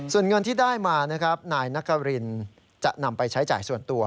ส่วนเงินที่ได้มานะครับนายนครินจะนำไปใช้จ่ายส่วนตัว